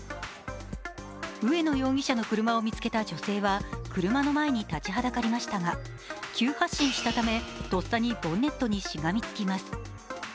上野容疑者の車を見つけた女性は車の前に立ちはだかりましたが急発進したため、とっさにボンネットにしがみつきます。